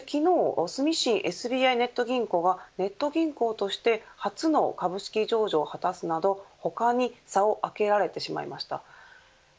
そして昨日住信ＳＢＩネット銀行がネット銀行として初の株式上場を果たすなど他に差を開けられてしまいました。